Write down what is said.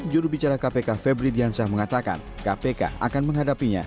jurubicara kpk febri diansyah mengatakan kpk akan menghadapinya